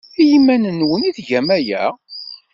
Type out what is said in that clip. I yiman-nwen ay tgam aya?